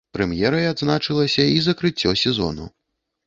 Прэм'ерай адзначылася і закрыццё сезону.